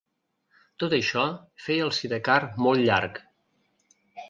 Tot això feia el sidecar molt llarg.